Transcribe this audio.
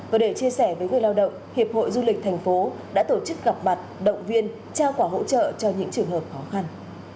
và để chia sẻ với người lao động hiệp hội du lịch thành phố đã tổ chức gặp mặt động viên trao quả hỗ trợ cho những trường hợp khó khăn